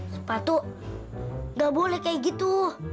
sepatu gak boleh kayak gitu